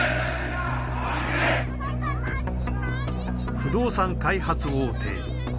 不動産開発大手恒